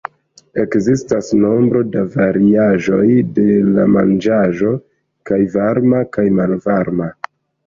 Ekzistas nombro da variaĵoj de la manĝaĵo, kaj varma kaj malvarma.